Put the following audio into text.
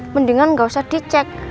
mendingan gak usah dicek